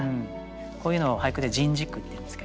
こういうのを俳句で「人事句」っていうんですけど。